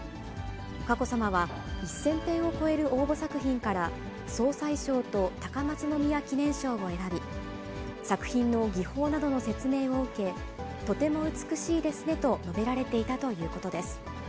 佳子さまは、１０００点を超える応募作品から総裁賞と高松宮記念賞を選び、作品の技法などの説明を受け、とても美しいですねと述べられていたということです。